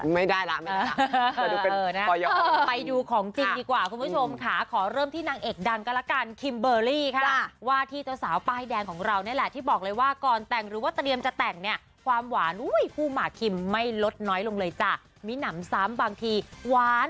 ไม่แล้วคุณเกิดอ่ะทำไมฟังไม่ดูเลือดเลยเสียสองเสียสามง่าย